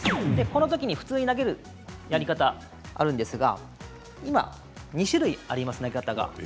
このときに普通に投げるやり方あるんですけれど２種類あります、型が。